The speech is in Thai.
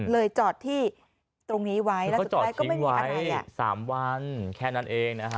เลยจอดที่ตรงนี้ไว้แล้วสุดท้ายก็ไม่มีอะไรแล้วก็จอดทิ้งไว้สามวันแค่นั้นเองนะฮะ